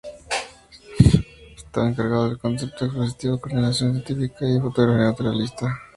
Estaba encargado del concepto expositivo, coordinación científica y de fotografía naturalista.